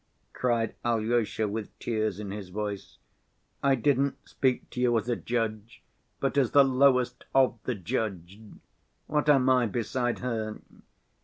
cried Alyosha, with tears in his voice. "I didn't speak to you as a judge but as the lowest of the judged. What am I beside her?